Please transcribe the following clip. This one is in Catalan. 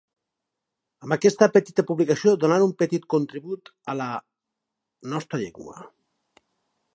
amb aquesta petita publicació donar un petit contribut a la nostra llengua